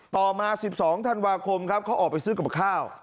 ต่อมา๑๒ธันวาคมครับเขาออกไปซื้อกับข้าว